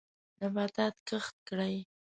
نباتات کښت کړئ.